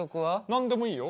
何でもいいよ。